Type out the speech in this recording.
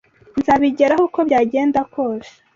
Nzabigeraho uko byagenda kose.